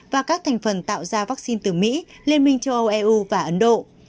và các thành phần tạo ra vaccine từ mỹ liên minh châu âu eu và ấn độ